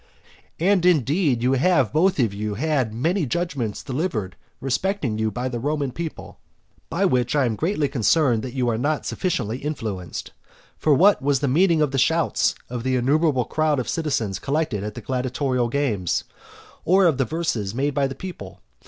XV. And, indeed, you have both of you had many judgments delivered respecting you by the Roman people, by which I am greatly concerned that you are not sufficiently influenced. For what was the meaning of the shouts of the innumerable crowd of citizens collected at the gladiatorial games? or of the verses made by the people?